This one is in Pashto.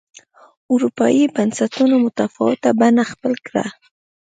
اروپايي بنسټونو متفاوته بڼه خپله کړه.